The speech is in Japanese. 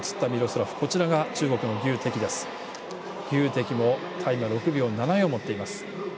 牛笛もタイムは６秒７４を持っています。